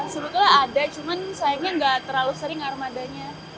sebetulnya ada cuman sayangnya nggak terlalu sering armadanya